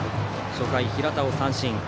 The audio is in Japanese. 初回、平田を三振。